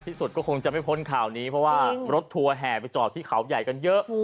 สุดก็คงจะไม่พ้นข่าวนี้เพราะว่ารถทัวร์แห่ไปจอดที่เขาใหญ่กันเยอะ